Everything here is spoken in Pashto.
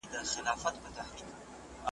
جهاني طبیب مي راکړه د درمل په نامه زهر .